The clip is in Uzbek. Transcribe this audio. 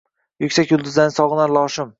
Yuksak yulduzlarni sog‘inar loshim